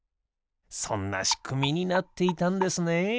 そんなしくみになっていたんですね。